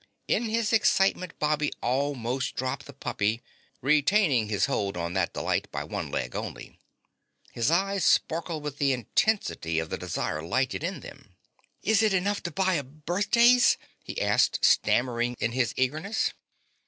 In his excitement Bobby almost dropped the puppy, retaining his hold on that delight by one leg only. His eyes sparkled with the intensity of the desire lighted in them. "Is it enough to buy a birthdays?" he asked, stammering in his eagerness.